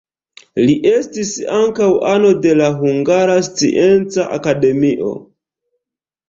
Li estis ankaŭ ano de la Hungara Scienca Akademio.